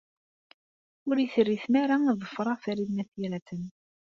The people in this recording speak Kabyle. Ur iyi-terri tmara ad ḍefreɣ Farid n At Yiraten.